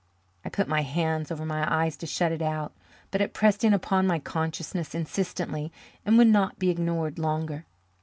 I put my hands over my eyes to shut it out, but it pressed in upon my consciousness insistently, and would not be ignored longer.